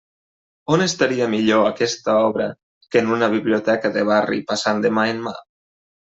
On estaria millor aquesta obra que en una biblioteca de barri passant de mà en mà?